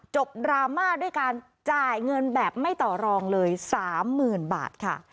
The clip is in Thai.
ดราม่าด้วยการจ่ายเงินแบบไม่ต่อรองเลย๓๐๐๐บาทค่ะ